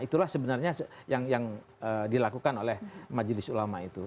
itulah sebenarnya yang dilakukan oleh majelis ulama itu